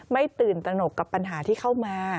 ตื่นตนกกับปัญหาที่เข้ามา